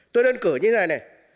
tôi đơn cử như thế này này